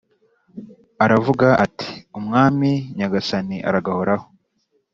aravuga ati “Umwami nyagasani aragahoraho.”